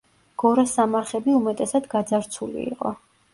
გორასამარხები უმეტესად გაძარცული იყო.